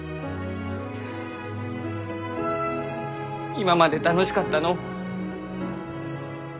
今まで楽しかったのう。